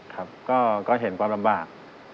ครับก็เห็นความลำบาก